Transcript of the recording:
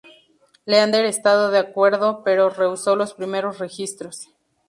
Leander Estado de acuerdo, pero rehusó los primeros registros.